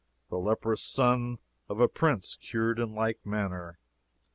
The leprous son of a Prince cured in like manner.